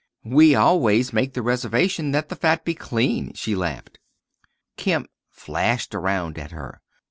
"We always make the reservation that the fat be clean," she laughed. Kemp flashed around at her.